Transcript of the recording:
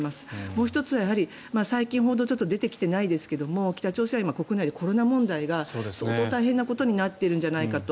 もう１つは最近、報道がちょっと出てきていないですが北朝鮮は国内でコロナ問題が相当大変なことになっているんじゃないかと。